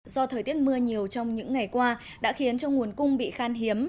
do thời tiết mưa nhiều trong những ngày qua đã khiến cho nguồn cung bị khan hiếm